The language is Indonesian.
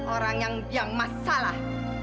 orang yang biang masalah